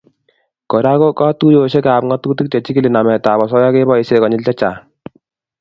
Kora ko katuiyosiekab ngatutik che chikili nametab osoya keboisie konyil chechang